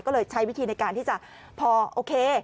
ก็เลยใช้วิธีในการที่จะพอโอเค